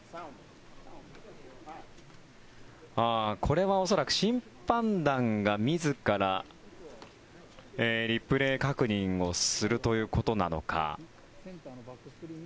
これは恐らく審判団が自らリプレー確認をするということなのか。